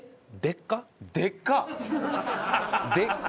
「でっか！！」？